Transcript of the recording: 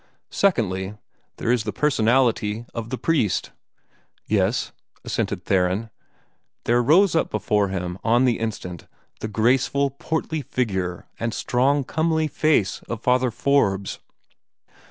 Secondly, there is the personality of the priest." "Yes," assented Ware. There rose up before him, on the instant, the graceful, portly figure and strong, comely face of Father Forbes.